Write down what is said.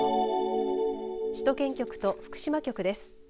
首都圏局と福島局です。